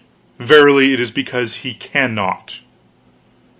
Verily it is because he cannot.'